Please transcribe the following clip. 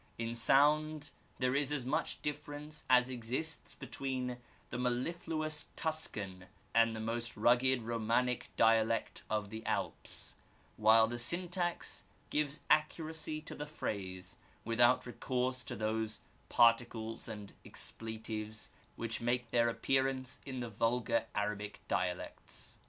In sound there is as much difference as exists between the mellifluous Tuscan and the most rugged Romanic dialect of the Alps, while the syntax gives accuracy to the phrase without recourse to those particles and expletives which make their appearance in the vulgar Arabic dialects.